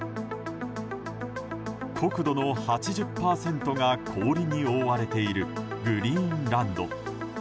国土の８０％が氷に覆われているグリーンランド。